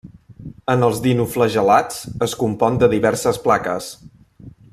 En els dinoflagel·lats es compon de diverses plaques.